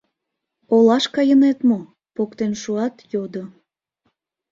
— Олаш кайынет мо? — поктен шуат, йодо.